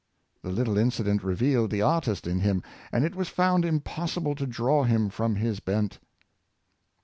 The little incident revealed the artist in him, and it was found impossible to draw him from his bent.